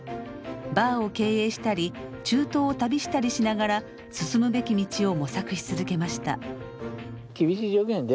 バーを経営したり中東を旅したりしながら進むべき道を模索し続けました。